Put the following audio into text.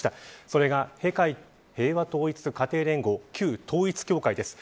それが、世界平和統一家庭連合旧統一教会です。